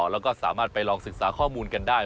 แล้วก็สามารถไปลองศึกษาข้อมูลกันได้